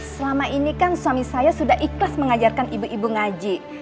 selama ini kan suami saya sudah ikhlas mengajarkan ibu ibu ngaji